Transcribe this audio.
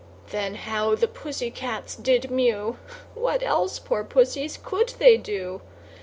Then how the pussy cats did mew What else, poor pussies, could they do?